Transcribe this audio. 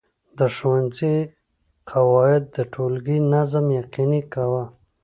د ښوونځي قواعد د ټولګي نظم یقیني کاوه.